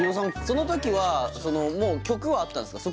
その時はもう曲はあったんですか？